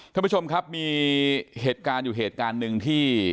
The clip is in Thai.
ท่านผู้ชมครับมีเหตุการณ์อยู่เหตุการณ์หนึ่งที่